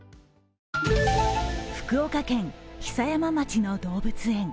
福岡県久山町の動物園。